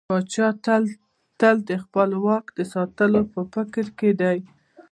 پاچا تل د خپل واک د ساتلو په فکر کې دى.